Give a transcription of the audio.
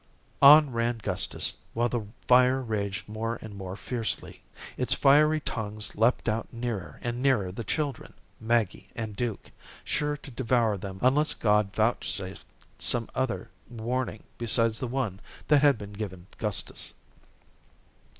On ran Gustus, while the fire raged more and more fiercely. Its fiery tongues leaped out nearer and nearer the children, Maggie, and Duke, sure to devour them unless God vouchsafed some other warning besides the one that had been given Gustus.